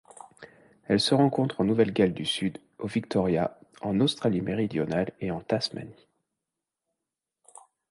Elle se rencontre en Nouvelle-Galles du Sud, au Victoria, en Australie-Méridionale et en Tasmanie.